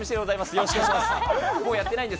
よろしくお願いします。